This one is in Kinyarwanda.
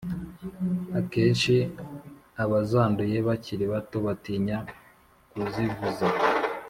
Akenshi abazanduye bakiri bato batinya kuzivuza